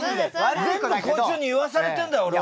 全部こいつに言わされてんだよ俺は。